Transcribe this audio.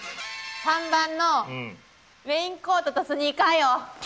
３番のレインコートとスニーカーよ！